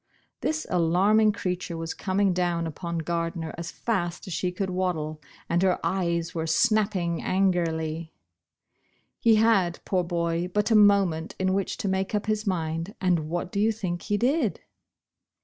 This alarming creature was coming down upon Gardner as fast as she could waddle, and her eyes were snapping angrily. He had. Bosh Bosh Oil. ^5 poor boy, but a moment in which to make up his mind, and what do you think he did